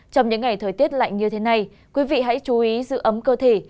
trong những ngày thời tiết lạnh như thế này quý vị hãy chú ý giữ ấm cơ thể